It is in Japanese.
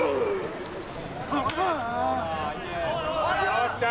よっしゃ。